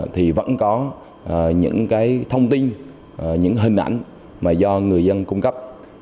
thì vẫn có những thông tin những hình ảnh mà do người dân cung cấp